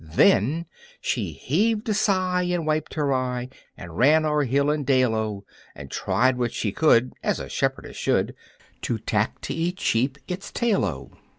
Then She heaved a sigh and wiped her eye And ran o'er hill and dale, oh, And tried what she could As a shepherdess should, To tack to each sheep its tail, oh.